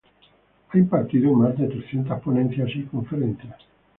Ha impartido más de trescientas ponencias y conferencias.